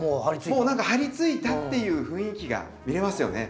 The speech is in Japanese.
もう何か張りついたっていう雰囲気が見れますよね。